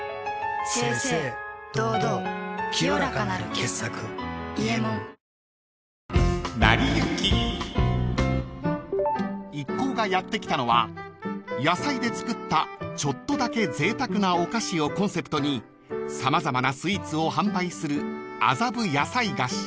清々堂々清らかなる傑作「伊右衛門」［一行がやって来たのは野菜で作ったちょっとだけぜいたくなお菓子をコンセプトに様々なスイーツを販売する］